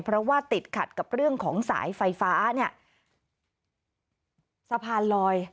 เพราะว่าติดขัดกับเรื่องของสายไฟฟ้าเนี่ย